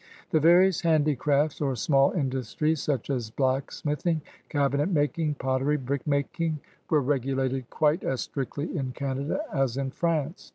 The various handicrafts or smaD industries, such as blacksmithing, cabinet making, pottery, brick making, were regulated quite as stricUy in Canada as in France.